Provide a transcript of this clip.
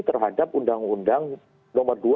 terhadap undang undang nomor dua